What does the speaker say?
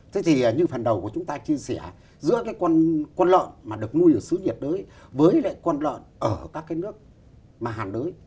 thế thì như phần đầu của chúng ta chia sẻ giữa cái con lợn mà được nuôi ở xứ nhiệt đới với lại con lợn ở các cái nước mà hàn đới